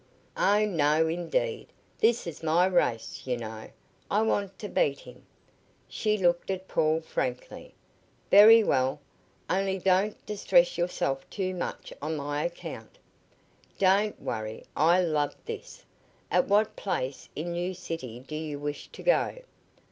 "Oh, no, indeed! This is my race, you know. I want to beat him." She looked at Paul frankly. "Very well. Only don't distress yourself too much on my account." "Don't worry. I love this. At what place in New City do you wish to go?"